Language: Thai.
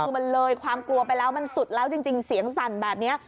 คือมันเลยความกลัวไปแล้วมันสุดแล้วจริงเสียงสั่นแบบนี้